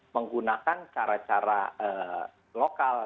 menggunakan cara cara lokal